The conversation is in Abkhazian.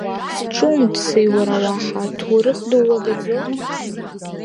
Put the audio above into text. Зҿумҭуазеи, уара уаҳа, аҭоурых ду уагаӡо?